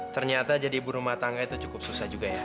ternyata jadi ibu rumah tangga itu cukup susah juga ya